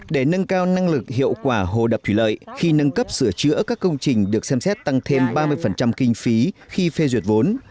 để nâng cao năng lực hiệu quả hồ đập thủy lợi khi nâng cấp sửa chữa các công trình được xem xét tăng thêm ba mươi kinh phí khi phê duyệt vốn